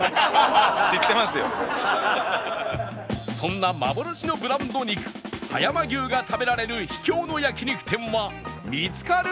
そんな幻のブランド肉葉山牛が食べられる秘境の焼肉店は見つかるのか？